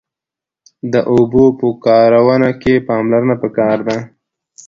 د اوبو په کارونه کښی پاملرنه پکار ده